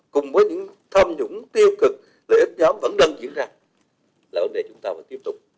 cùng với những tham nhũng tiêu cực lợi ích nhóm vẫn đang diễn ra là vấn đề chúng ta phải tiếp tục